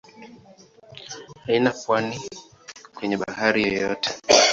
Haina pwani kwenye bahari yoyote.